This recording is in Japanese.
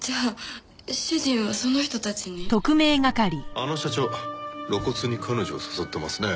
あの社長露骨に彼女を誘ってますね。